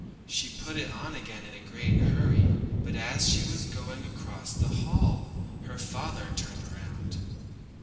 She put it on again in a great hurry, but as she was going across the hall her father turned round.